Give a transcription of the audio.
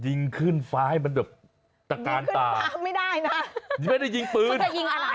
ยิงขึ้นฟ้าให้มันแบบตะกานตายิงขึ้นฟ้าได้นะ